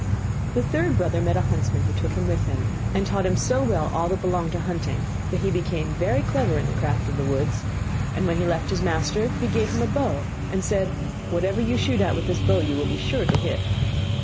The third brother met a huntsman, who took him with him, and taught him so well all that belonged to hunting, that he became very clever in the craft of the woods; and when he left his master he gave him a bow, and said, 'Whatever you shoot at with this bow you will be sure to hit.